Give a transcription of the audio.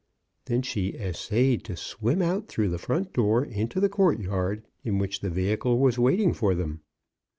Then she essayed to swim out through the front door into the courtyard, in which the vehicle was waiting for them.